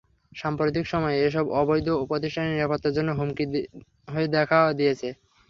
সম্প্রতিক সময়ে এসব অবৈধ প্রতিষ্ঠান নিরাপত্তার জন্যও হুমকি হয়ে দেখা দিয়েছে।